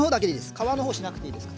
皮のほうしなくていいです。